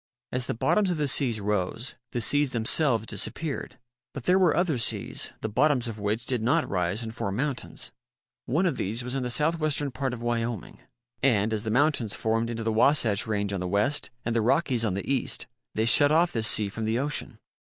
As the bottoms of the seas rose, the seas themselves disappeared. But there were other seas, the bottoms of which did not rise and form mountains. One of these was in the southwestern part of Wyoming and, as the mountains formed into the Wasatch range on the west and the Rockies on the east, they shut off this sea from the ocean.